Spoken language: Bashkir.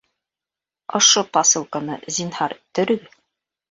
Ошо посылканы, зинһар, төрөгөҙ